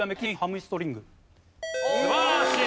素晴らしい！